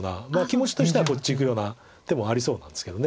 気持ちとしてはこっちいくような手もありそうなんですけど。